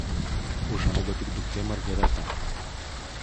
Užaugo tik duktė Margareta.